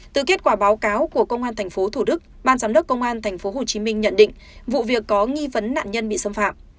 từ kết quả báo cáo của công an tp thủ đức ban giám đốc công an tp hcm nhận định vụ việc có nghi vấn nạn nhân bị xâm phạm